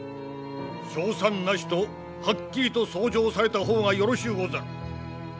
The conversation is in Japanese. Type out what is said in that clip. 勝算なしとはっきりと奏上された方がよろしゅうござる。